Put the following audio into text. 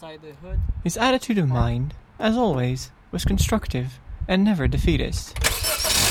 His attitude of mind, as always, was constructive and never defeatist.